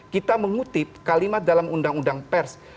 kita mengutip kalimat dalam undang undang pers